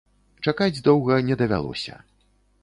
Чакаць доўга не давялося.